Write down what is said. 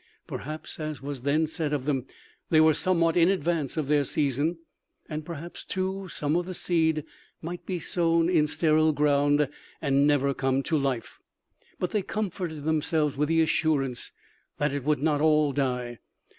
Perhaps, as was then said of them, they were somewhat in advance of their season, and perhaps too, some of the seed might be sown in sterile ground and never come to life, but they comforted themselves with the assurance that it would not all die.